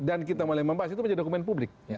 dan kita mulai membahas itu menjadi dokumen publik